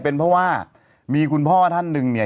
เป็นเพราะว่ามีคุณพ่อท่านหนึ่งเนี่ย